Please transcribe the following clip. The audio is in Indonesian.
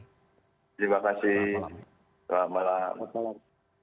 terima kasih selamat malam